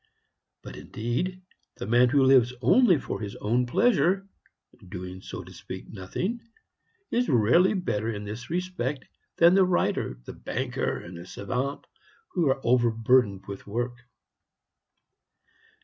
But, indeed, the man who lives only for his own pleasure doing, so to speak, nothing is rarely better in this respect than the writer, the banker, and the savant, who are overburdened with work.